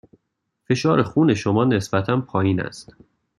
فشار خون شما نسبتاً پایین است.